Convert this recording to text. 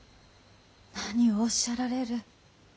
何をおっしゃられる。